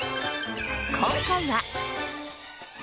今回は。